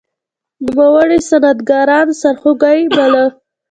نوموړي صنعتکاران سرخوږی باله.